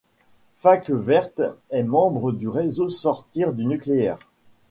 Fac verte est membre du Réseau Sortir du nucléaire.